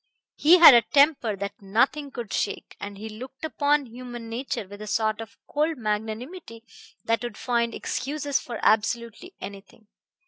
He had a temper that nothing could shake, and he looked upon human nature with a sort of cold magnanimity that would find excuses for absolutely anything.